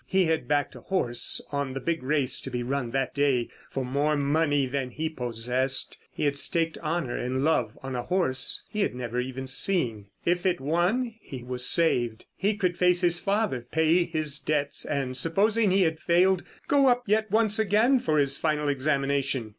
He had backed a horse on the big race to be run that day for more money than he possessed. He had staked honour and love on a horse he had never even seen. If it won he was saved. He could face his father, pay his debts, and, supposing he had failed, go up yet once again for his final examination.